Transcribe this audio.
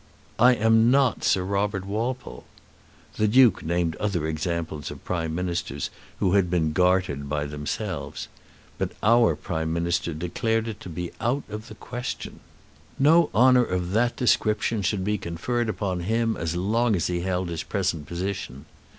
"I am not Sir Robert Walpole." The Duke named other examples of Prime Ministers who had been gartered by themselves. But our Prime Minister declared it to be out of the question. No honour of that description should be conferred upon him as long as he held his present position.